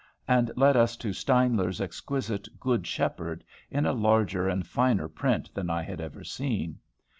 and led us to Steinler's exquisite "Good Shepherd," in a larger and finer print than I had ever seen.